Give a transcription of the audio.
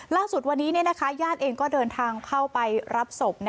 ล่าสุดวันนี้ญาติเองก็เดินทางเข้าไปรับศพ